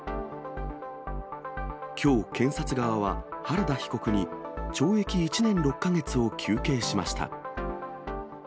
きょう、検察側は原田被告に懲役１年６か月を求刑しました。